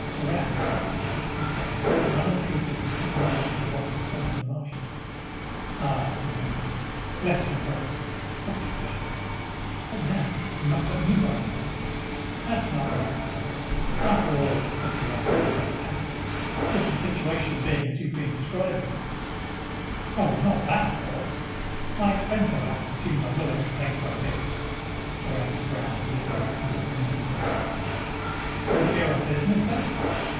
Doran sipped at a whiskey sour and unobtrusively set another full bottle in front of the Martian. "Ahhh!" said Matheny. "Bless you, my friend." "A pleasure." "But now you must let me buy you one." "That is not necessary. After all," said Doran with great tact, "with the situation as you have been describing " "Oh, we're not that poor! My expense allowance assumes I will entertain quite a bit." Doran's brows lifted a few minutes of arc. "You're here on business, then?"